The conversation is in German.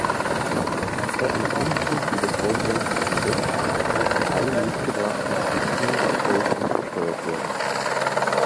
Bei einem Umzug über Zollgrenzen hinweg müssten alle mitgebrachten Besitztümer verzollt und versteuert werden.